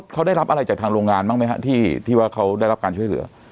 เขาได้รับอะไรจากทางโรงงานบ้างไหมฮะที่ว่าเขาได้รับการช่วยเหลือ